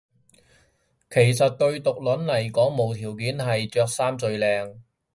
其實對毒撚嚟講無條件係冇着衫最靚